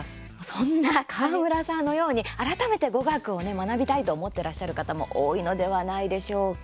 そんな川村さんのように改めて語学をね学びたいと思ってらっしゃる方も多いのではないでしょうか。